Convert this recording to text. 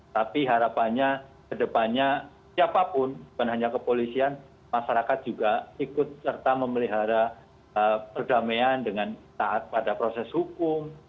tapi harapannya ke depannya siapapun bukan hanya kepolisian masyarakat juga ikut serta memelihara perdamaian dengan taat pada proses hukum